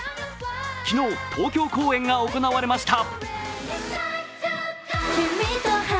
昨日東京公演が行われました。